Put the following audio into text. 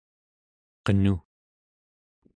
qenu